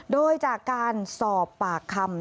โดยจากการสอบปากคำ